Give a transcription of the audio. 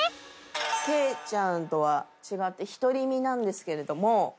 ケイちゃんとは違って独り身なんですけれども。